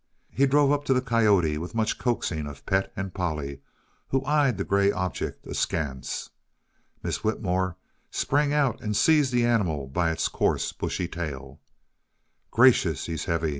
He drove up to the coyote with much coaxing of Pet and Polly, who eyed the gray object askance. Miss Whitmore sprang out and seized the animal by its coarse, bushy tail. "Gracious, he's heavy!"